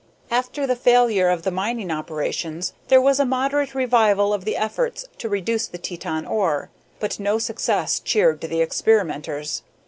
After the failure of the mining operations there was a moderate revival of the efforts to reduce the Teton ore, but no success cheered the experimenters.